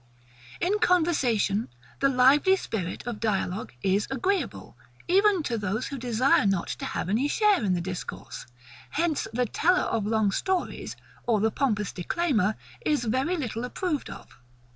In conversation, the lively spirit of dialogue is AGREEABLE, even to those who desire not to have any share in the discourse: hence the teller of long stories, or the pompous declaimer, is very little approved of.